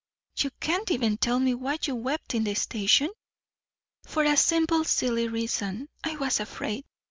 "You can't even tell me why you wept in the station?" "For a simple silly reason. I was afraid.